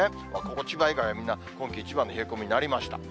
千葉以外は今季一番の冷え込みになりました。